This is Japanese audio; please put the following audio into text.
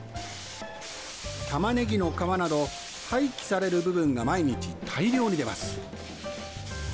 タマネギの皮など、廃棄される部分が毎日大量に出ます。